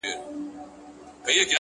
پوه انسان د زده کړې عمر نه ویني!